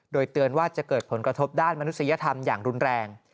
โดยเตือนว่าจะเกิดผลกระทบด้านมนุษยธรรมอย่างรุนแรง